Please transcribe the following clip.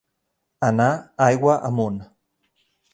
Anar aigua amunt.